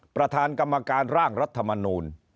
ประธานกรรมการร่างรัฐมนูล